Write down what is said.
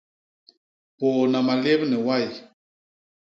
Pôôna malép ni way.